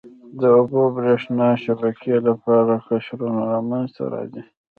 د اوبو او بریښنا شبکې لپاره قشرونه منځته راځي.